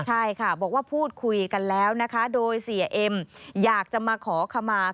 ใช่ค่ะบอกว่าพูดคุยกันแล้วนะคะโดยเสียเอ็มอยากจะมาขอขมา